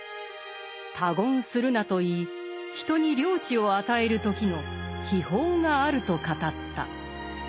「他言するな」と言い人に領地を与える時の秘法があると語った。